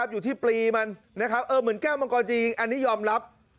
อยู่ที่ปลีมันเหมือนแก้วมังกรจีนอันนี้ยอมรับ